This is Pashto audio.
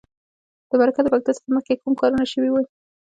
د مرکه د پښتو څخه مخکې کوم کارونه شوي وي.